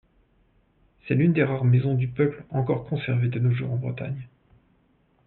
C'est l'une des rares maisons du peuple encore conservées de nos jours en Bretagne.